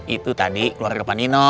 itu tadi keluarga panino